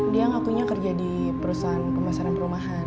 dia ngakunya kerja di perusahaan pemasaran perumahan